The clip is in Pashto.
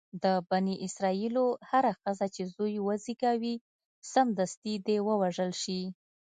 د بني اسرایلو هره ښځه چې زوی وزېږوي سمدستي دې ووژل شي.